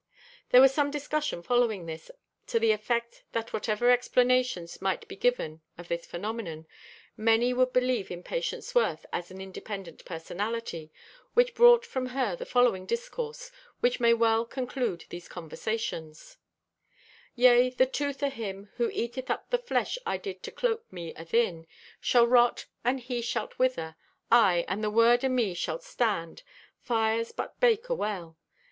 There was some discussion following this, to the effect that whatever explanations might be given of this phenomenon, many would believe in Patience Worth as an independent personality, which brought from her the following discourse which may well conclude these conversations: "Yea, the tooth o' him who eateth up the flesh I did to cloak me athin, shall rot and he shalt wither. Aye, and the word o' me shalt stand. Fires but bake awell.